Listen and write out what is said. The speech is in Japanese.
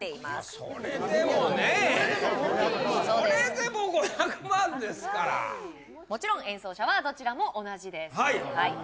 そうですそれでも５００万ですからもちろん演奏者はどちらも同じです